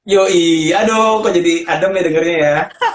yoi aduh kok jadi adem nih dengernya ya